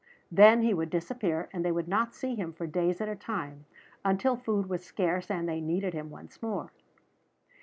Then he would disappear, and they would not see him for days at a time, until food was scarce and they needed him once more.